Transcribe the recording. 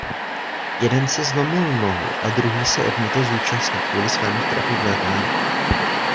Jeden si zlomil nohu a druhý se odmítl zúčastnit kvůli svému strachu z létání.